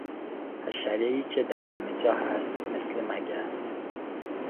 حشرهای که در همهجا هست، مثل مگس